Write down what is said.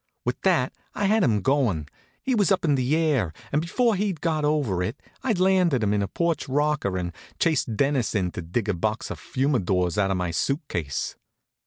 With that I had him goin'. He was up in the air, and before he'd got over it I'd landed him in a porch rocker and chased Dennis in to dig a box of Fumadoras out of my suit case.